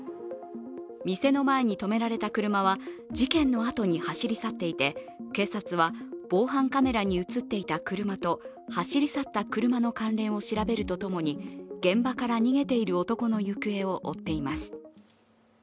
店の前に止められた車は事件のあとに走り去っていて警察は防犯カメラに映っていた車と走り去った車の関連を調べるとともに、現場から逃げている男の行方を追っています。